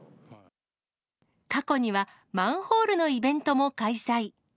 過去には、マンホールのイベントも開催。